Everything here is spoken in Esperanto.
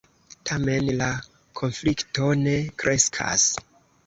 Tamen la konflikto ne kreskas.